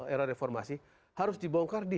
era reformasi harus dibongkar di